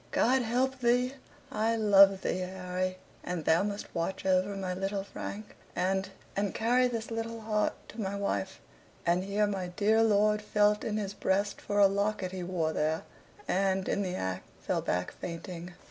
God help thee! I loved thee, Harry, and thou must watch over my little Frank and and carry this little heart to my wife." And here my dear lord felt in his breast for a locket he wore there, and, in the act, fell back fainting.